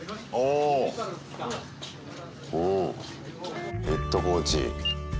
うんヘッドコーチ。